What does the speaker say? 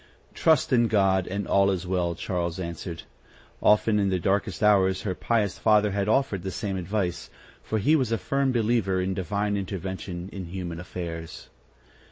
"Trust in God, and all is well!" Charles answered. Often, in their darkest hours, her pious father had offered the same advice, for he was a firm believer in divine intervention in human affairs.